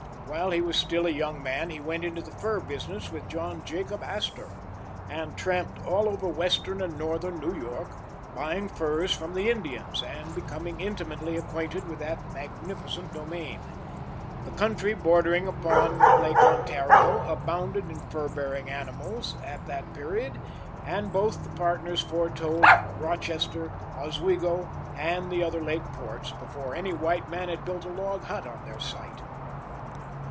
While he was still a young man he went into the fur business with John Jacob Astor, and tramped all over western and northern New York, buying furs from the Indians, and becoming intimately acquainted with that magnificent domain. The country bordering upon Lake Ontario abounded in fur bearing animals at that period, and both the partners foretold Rochester, Oswego, and the other lake ports, before any white man had built a log hut on their site.